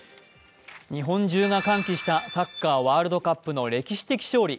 日本中が歓喜したサッカーワールドカップの歴史的勝利。